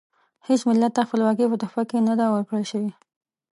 هیڅ ملت ته خپلواکي په تحفه کې نه ده ورکړل شوې.